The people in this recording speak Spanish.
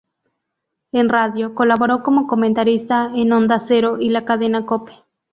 En radio, colaboró como comentarista en Onda Cero y la Cadena Cope.